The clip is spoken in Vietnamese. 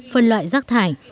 phân loại rác thải